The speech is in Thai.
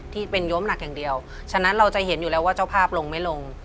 ที่เป็นโยมหนักอย่างเดียวฉะนั้นเราจะเห็นอยู่แล้วว่าเจ้าภาพลงไม่ลง